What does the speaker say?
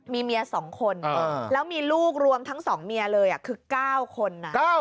มีเมีย๒คนแล้วมีลูกรวมทั้ง๒เมียเลยคือ๙คนนะ